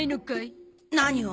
何を？